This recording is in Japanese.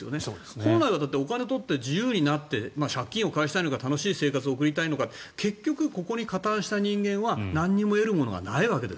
本来はお金を取って自由になって借金を返したいのか楽しい生活を送りたいのか結局、ここに加担した人間は何も得るものがないわけです。